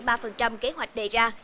đã đạt ba mươi sáu ba kế hoạch đề ra